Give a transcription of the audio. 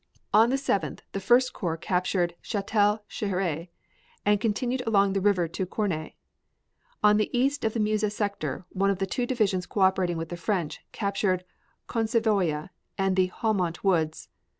On the 7th the First Corps captured Chatel Chehery and continued along the river to Cornay. On the east of Meuse sector one of the two divisions co operating with the French captured Consenvoye and the Haumont Woods.